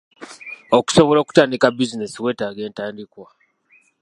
Okusobola okutandika bizinensi weetaaga entandikwa.